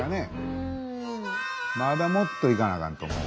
まだもっといかなあかんと思う。